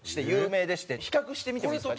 比較してみてもいいですか？